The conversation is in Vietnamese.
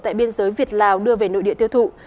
tại biên giới việt lào đưa về nội địa tiêu thụ